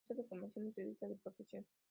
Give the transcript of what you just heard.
Jurista de formación y periodista de profesión.